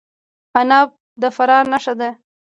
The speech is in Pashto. عناب د فراه نښه ده.